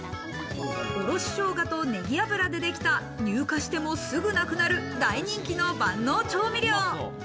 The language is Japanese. おろしショウガとネギ油でできた、入荷してもすぐなくなる大人気の万能調味料。